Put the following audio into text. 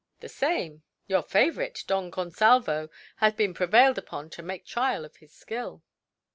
"The same. Your favourite, Don Gonsalvo, has just been prevailed upon to make trial of his skill."